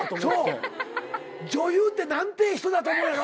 女優って何て人だと思うやろ。